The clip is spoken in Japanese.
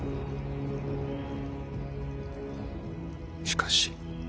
しかし。